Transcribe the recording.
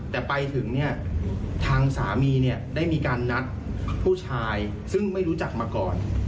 แต่ไปถึงเนี่ยทางสามีเนี่ยได้มีการนัดผู้ชายซึ่งไม่รู้จักมาก่อน